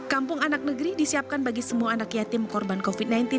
kampung anak negeri disiapkan bagi semua anak yatim korban covid sembilan belas